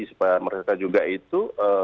supaya mereka juga itu